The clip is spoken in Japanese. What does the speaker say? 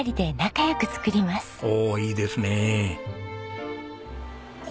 おおいいですねえ。